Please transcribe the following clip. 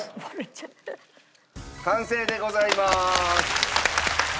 完成でございまーす。